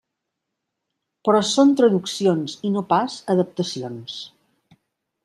Però són traduccions i no pas adaptacions.